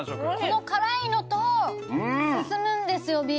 この辛いのと進むんですよ